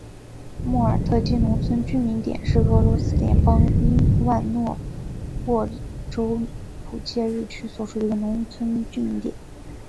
莫尔特基农村居民点是俄罗斯联邦伊万诺沃州普切日区所属的一个农村居民点。